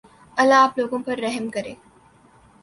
اللہ آپ لوگوں پر رحم کرے